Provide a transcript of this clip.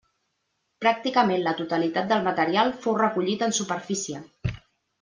Pràcticament la totalitat del material fou recollit en superfície.